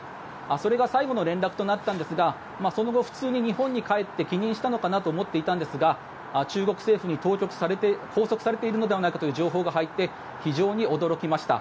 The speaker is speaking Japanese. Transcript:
それが最後の連絡となったんですがその後、普通に日本に帰って帰任したのかなと思っていたんですが中国政府に拘束されているのではという情報が入って非常に驚きました。